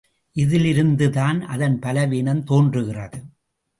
இதிலிருந்துதான் அதன் பலவீனம் தோன்றுகிறது.